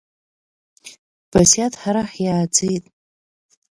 Басиаҭ ҳара ҳиааӡеит.